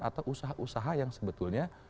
atau usaha usaha yang sebetulnya